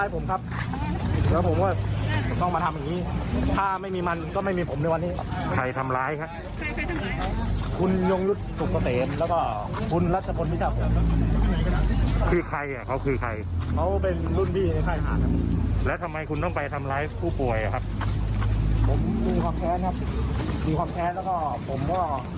ผมคือความแค้นครับคือความแค้นแล้วก็ผมว่าอยากขอโทษทุกคนครับ